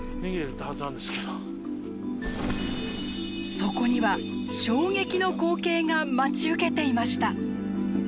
そこには衝撃の光景が待ち受けていました！